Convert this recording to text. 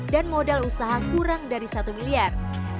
dan modal usaha kurang dari satu miliar